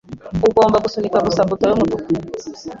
Ugomba gusunika gusa buto yumutuku.